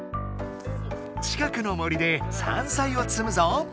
近くの森で山菜をつむぞ。